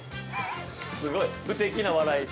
◆すごい、不敵な笑い。